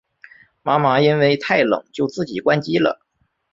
妈妈因为太冷就自己关机了